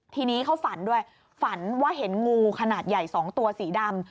ทีนี้เขาฝันด้วยฝันว่าเห็นงูขนาดใหญ่๒ตัวสีดำ